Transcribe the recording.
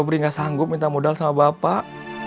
gak sanggup minta modal sama bapak